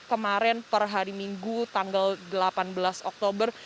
kemarin perhari minggu tanggal delapan belas oktober